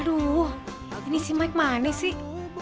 aduh ini si mike manis sih